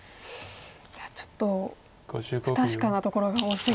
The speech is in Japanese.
いやちょっと不確かなところが多すぎて。